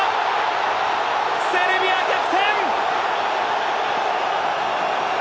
セルビア逆転。